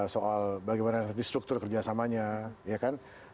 soal bagaimana nanti struktur kerjasamanya ya kan